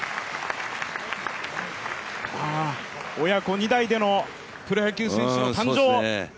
親子２代でのプロ野球の誕生。